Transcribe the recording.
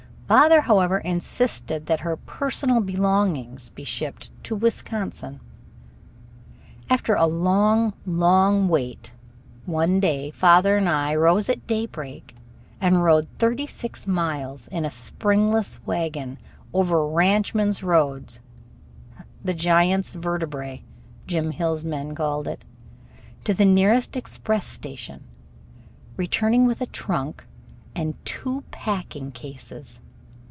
Father, however, insisted that her "personal belongings" be shipped to Wisconsin. After a long, long wait, one day father and I rose at daybreak and rode thirty six miles in a springless wagon, over ranchmen's roads ("the giant's vertebrae," Jim Hill's men called it) to the nearest express station, returning with a trunk and two packing cases.